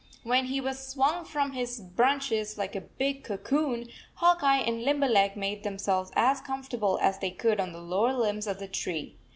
When he was swung from his branches like a big cocoon, Hawk Eye and Limberleg made themselves as com fortable as they could on the lower limbs of the tree.